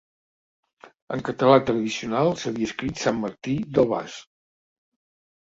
En català tradicional s'havia escrit Sant Martí del Bas.